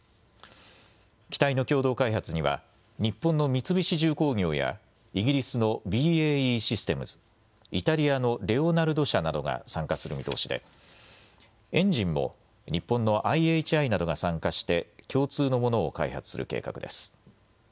機体の共同開発には、日本の三菱重工業やイギリスのＢＡＥシステムズ、イタリアのレオナルド社などが参加する見通しで、エンジンも日本のＩＨＩなどが参加して、共通のものを開発する計画です。